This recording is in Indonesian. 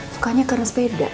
sukanya karena sepeda